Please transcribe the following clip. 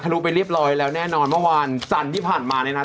รู้ไปเรียบร้อยแล้วแน่นอนเมื่อวานจันทร์ที่ผ่านมาเนี่ยนะครับ